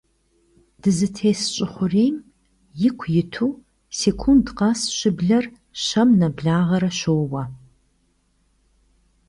Дызытес Щӏы Хъурейм, ику иту, секунд къэс щыблэр щэм нэблагъэрэ щоуэ.